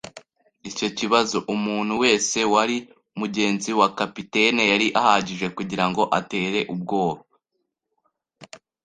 icyo kibazo, umuntu wese wari mugenzi wa capitaine yari ahagije kugirango atere ubwoba